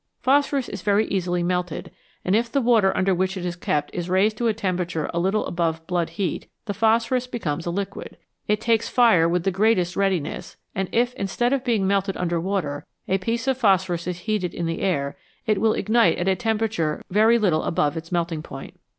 Phosphorus is very easily melted, and if the water under which it is kept is raised to a temperature a little above blood heat, the phosphorus becomes a liquid. It takes fire with the greatest readiness, and if, instead of being melted under water, a piece of phosphorus is heated in the air, it will ignite at a temperature very little above its melting point.